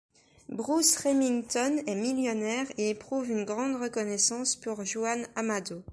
Bruce Remington est millionnaire et éprouve une grande reconnaissance pour Juan Amado.